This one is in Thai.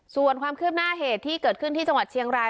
ส่วนความคืบหน้าเหตุที่เกิดขึ้นที่จังหวัดเชียงราย